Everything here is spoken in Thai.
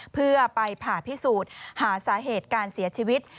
เพื่อไปผ่าพิสูจน์หาสาเหตุการเสียชีวิต